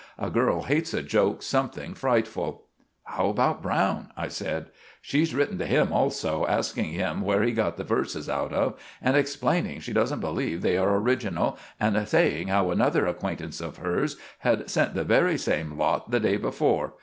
A girl hates a joke something frightful." "How about Browne?" I said. "She's written to him also, asking him where he got the verses out of, and exsplaining she doesn't believe they are original, and saying how another acquaintance of hers had sent the very same lot the day before.